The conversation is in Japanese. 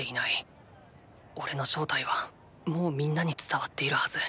おれの正体はもうみんなに伝わっているはず。